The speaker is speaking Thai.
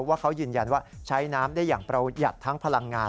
ว่าเขายืนยันว่าใช้น้ำได้อย่างประหยัดทั้งพลังงาน